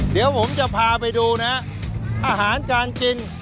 เดี๋ยวผมจะพาไปดูนะอาหารการกิน